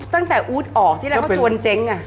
อ๋อตั้งแต่อู๊ดออกที่แล้วเขาจวนเจ๊งอ่ะ